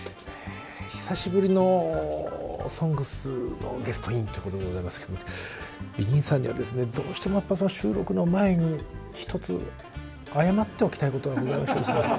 久しぶりの「ＳＯＮＧＳ」のゲストインということでございますけどもＢＥＧＩＮさんにはですねどうしても収録の前に一つ謝っておきたいことがございましてですね。